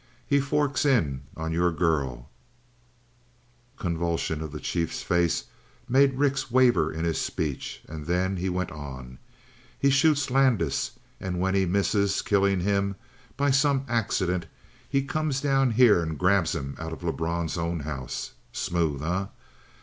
He forks in on your girl " A convulsion of the chief's face made Rix waver in his speech and then he went on: "He shoots Landis, and when he misses killing him by some accident, he comes down here and grabs him out of Lebrun's own house. Smooth, eh?